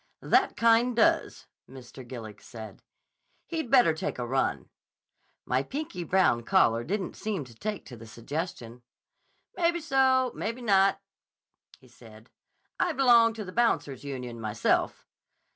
'That kind does,' Mr. Gillig said. 'He'd better take a run.' My pinky brown caller didn't seem to take to the suggestion. 'Maybe so; maybe not,' he said. 'I belong to the Bouncers' Union, myself.